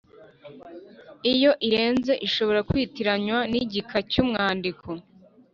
Iyo irenze ishobora kwitiranywa n’igika cy’umwandiko.